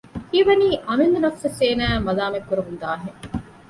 ހީވަނީ އަމިއްލަ ނަފުސުވެސް އޭނައަށް މަލާމަތްކުރަމުންދާހެން